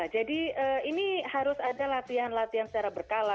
jadi ini harus ada latihan latihan secara berkala